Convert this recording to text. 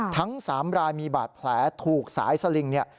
ทั้ง๓รายมีบาดแผลถูกสายสลิงเนี่ย